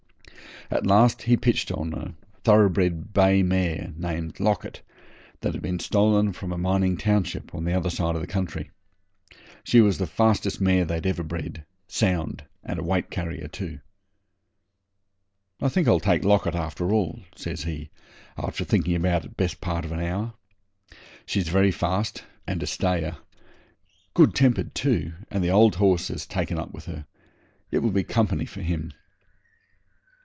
At last he pitched upon a thoroughbred bay mare named Locket that had been stolen from a mining township the other side of the country. She was the fastest mare they'd ever bred sound, and a weight carrier too. 'I think I'll take Locket after all,' says he, after thinking about it best part of an hour. 'She's very fast and a stayer. Good tempered too, and the old horse has taken up with her. It will be company for him.'